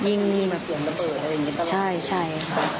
ยิ่งใช่ครับ